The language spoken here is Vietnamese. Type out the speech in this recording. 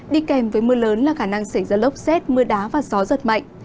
đi kèm với mưa lớn là khả năng xảy ra lốc rét mưa đá và gió rất mạnh